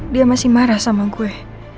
dia masih marah sama gue